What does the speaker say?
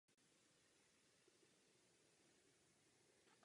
Album zaznamenalo úspěch také u kritiků.